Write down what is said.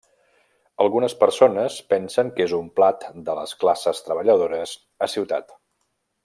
Algunes persones pensen que és un plat de les classes treballadores a ciutat.